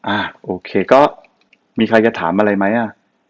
อ่ะโอเคก็มีใครจะถามอะไรไหมอ่ะ